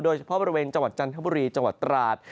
โดยเฉพาะบริเวณจังหวัดจันทบุรีจังหวัดตราด